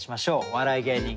お笑い芸人